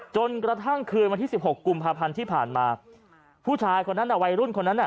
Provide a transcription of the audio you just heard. จนกระทั่งคืนวันที่๑๖กุมภาพที่ผ่านมาผู้ชายคนนั้นวัยรุ่นคนนั้น